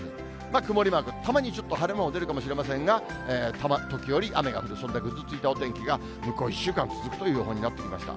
曇りマーク、たまにちょっと晴れ間も出るかもしれませんが、時折雨が降る、そんなぐずついたお天気が向こう１週間、続くという予報になってきました。